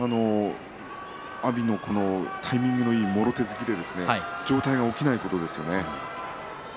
阿炎のタイミングのいいもろ手突きで上体が起きないことですね。